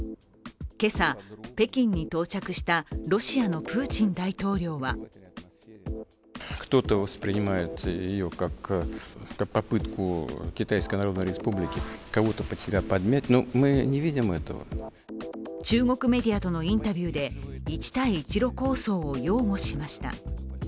けさ、北京に到着したロシアのプーチン大統領は中国メディアとのインタビューで一帯一路構想を擁護しました。